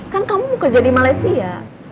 kan kamu kerja di malaysia